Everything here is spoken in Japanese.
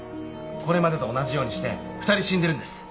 これまでも同じようにして２人死んでるんです。